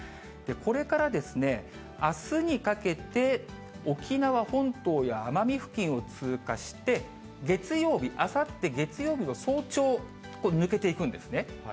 これからですね、あすにかけて沖縄本島や奄美付近を通過して、月曜日、あさって月曜日の早朝、これ、抜けていくんですね。